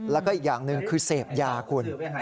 แล้วก็อีกอย่างหนึ่งคือเสพยาคุณ